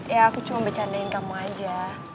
ya aku cuma bercandain kamu aja